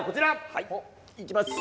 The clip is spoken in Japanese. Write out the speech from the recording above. はいいきます！